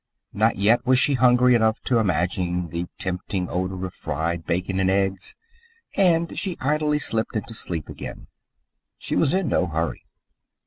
Not yet was she hungry enough to imagine the tempting odour of fried bacon and eggs, and she idly slipped into sleep again. She was in no hurry.